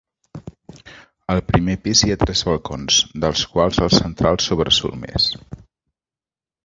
Al primer pis hi ha tres balcons, dels quals el central sobresurt més.